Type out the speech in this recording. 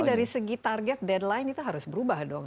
tapi dari segi target deadline itu harus berubah dong